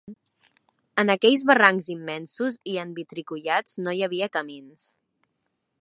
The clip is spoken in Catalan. En aquells barrancs immensos i envitricollats no hi havia camins